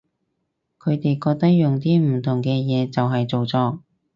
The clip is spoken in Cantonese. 佢哋覺得用啲唔同嘅嘢就係造作